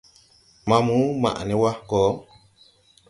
Maamu, maʼ ne wa gɔ !